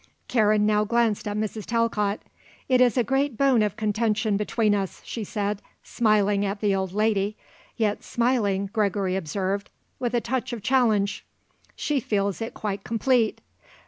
'" Karen now glanced at Mrs. Talcott. "It is a great bone of contention between us," she said, smiling at the old lady, yet smiling, Gregory observed, with a touch of challenge. "She feels it quite complete.